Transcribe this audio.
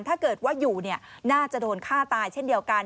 ถ้าเกิดว่าอยู่น่าจะโดนฆ่าตายเช่นเดียวกัน